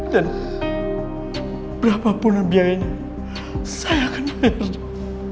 dan berapapun nabiayanya saya akan bayar dok